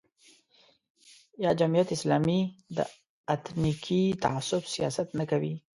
یا جمعیت اسلامي د اتنیکي تعصب سیاست نه کوي.